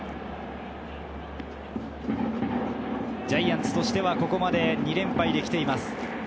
ジャイアンツとしては、ここまで２連敗できています。